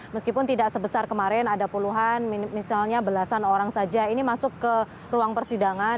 meskipun tidak sebesar kemarin ada puluhan misalnya belasan orang saja ini masuk ke ruang persidangan